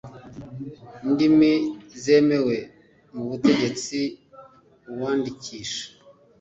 Ndimi zemewe mu butegetsi uwandikisha